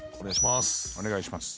お願いします。